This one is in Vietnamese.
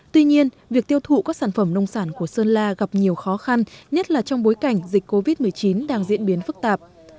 tuy nhiên việc tiêu thụ các sản phẩm nông sản của sơn la gặp nhiều khó khăn nhất là trong bối cảnh dịch covid một mươi chín đang diễn biến phức tạp